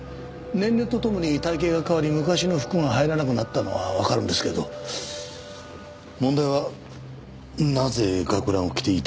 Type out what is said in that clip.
年齢と共に体形が変わり昔の服が入らなくなったのはわかるんですけど問題はなぜ学ランを着ていたかっていう事ですね。